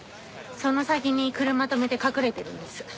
その先に車止めて隠れてるんです。